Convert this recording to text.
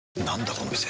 この店。